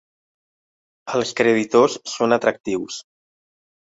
Els creditors són atractius.